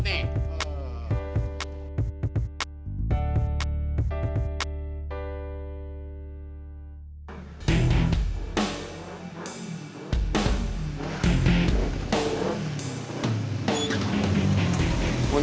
ini nih yang lembut nih